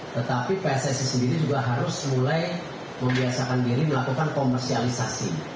tetapi pssi sendiri juga harus mulai membiasakan diri melakukan komersialisasi